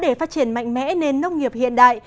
để phát triển mạnh mẽ nền nông nghiệp hiện đại